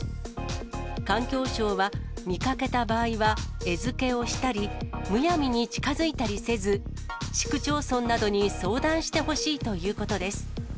環境省は見かけた場合は、餌付けをしたり、むやみに近づいたりせず、市区町村などに相談してほしいということです。